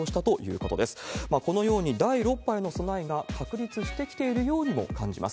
このように第６波への備えが確立してきているようにも感じます。